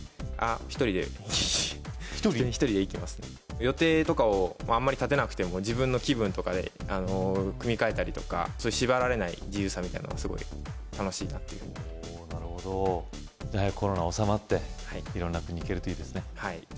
１人で１人で行ってますね予定とかをあんまり立てなくても自分の気分とかで組み替えたりとか縛られない自由さみたいなのがすごい楽しいなっていうふうにほうなるほどじゃあ早くコロナ収まって色んな国行けるといいですね